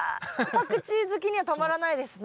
パクチー好きにはたまらないですね。